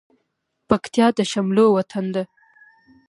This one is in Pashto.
پکتيا د شملو وطن ده